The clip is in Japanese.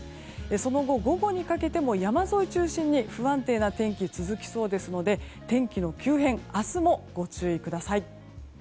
その後、午後にかけても山沿い中心に不安定な天気が続きそうですので、天気の急変明日もご注意ください。